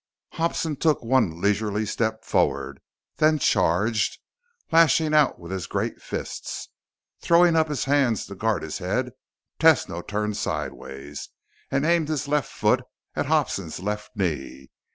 Hobson took one leisurely step forward, then charged, lashing out with his great fists. Throwing up his hands to guard his head, Tesno turned sideways and aimed his left foot at Hobson's left knee.